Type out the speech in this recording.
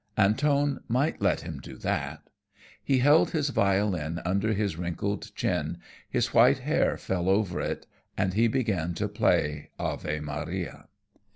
Antone might let him do that. He held his violin under his wrinkled chin, his white hair fell over it, and he began to play "Ave Maria."